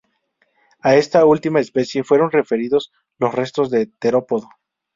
A esta última especie fueron referidos los restos de terópodo.